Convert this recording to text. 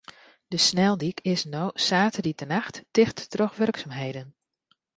De sneldyk is no saterdeitenacht ticht troch wurksumheden.